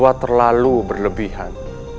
tidak terlalu berlebihan